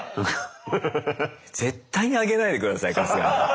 絶対にあげないで下さい春日に。